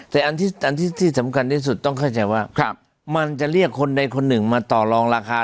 แต่อันที่สำคัญที่สุดต้องเข้าใจว่ามันจะเรียกคนใดคนหนึ่งมาต่อลองราคา